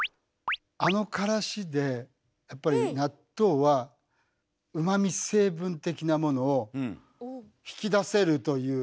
あのからしでやっぱり納豆はうまみ成分的なものを引き出せるという。